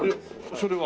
それは？